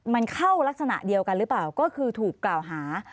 มันเข้ารักษณะเดียวกันหรือเปล่าก็คือถูกกล่าวหา